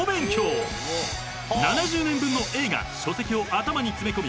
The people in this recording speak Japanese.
［７０年分の映画・書籍を頭に詰め込み